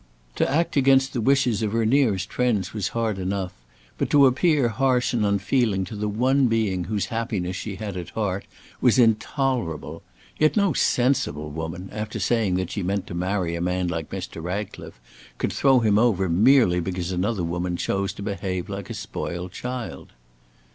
To act against the wishes of her nearest friends was hard enough, but to appear harsh and unfeeling to the one being whose happiness she had at heart, was intolerable. Yet no sensible woman, after saying that she meant to marry a man like Mr. Ratcliffe, could throw him over merely because another woman chose to behave like a spoiled child.